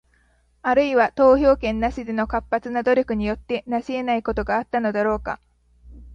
あるいは、投票権なしでの活発な努力によって成し得ないことがあったのだろうか？